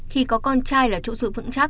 khi có con trai là chỗ sự vững chắc